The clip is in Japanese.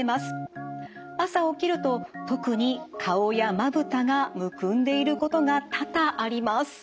朝起きると特に顔やまぶたがむくんでいることが多々あります。